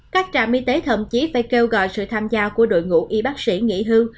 các trạm y tế thậm chí phải kêu gọi sự tham gia của đội ngũ y bác sĩ nghỉ hưu